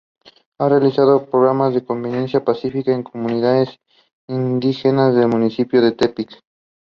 He attended Kimbolton School.